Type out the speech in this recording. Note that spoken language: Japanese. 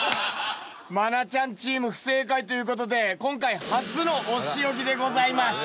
愛菜ちゃんチーム不正解という事で今回初のお仕置きでございます。